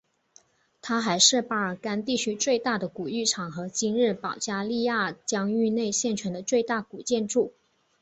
它还是巴尔干地区最大的古浴场和今日保加利亚疆域内现存的最大古建筑。